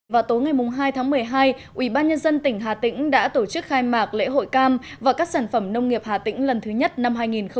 và tối ngày hai tháng một mươi hai ủy ban nhân dân tỉnh hà tĩnh đã tổ chức khai mạc lễ hội cam và các sản phẩm nông nghiệp hà tĩnh lần thứ nhất năm hai nghìn một mươi bảy